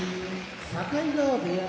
境川部屋